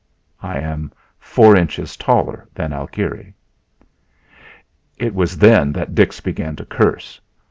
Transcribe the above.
I am four inches taller than Alkire." It was then that Dix began to curse.